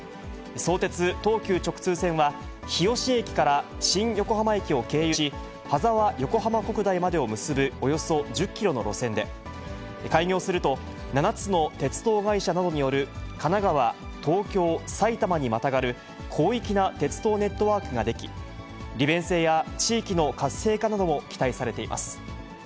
相鉄・東急直通線は、日吉駅から新横浜駅を経由し、羽沢横浜国大までを結ぶおよそ１０キロの路線で、開業すると、７つの鉄道会社などによる神奈川、東京、埼玉にまたがる、広域な鉄道ネットワークが出来、利便性や地域の活性化なども期待されています。